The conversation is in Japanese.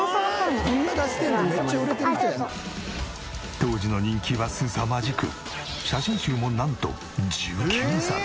当時の人気はすさまじく写真集もなんと１９冊。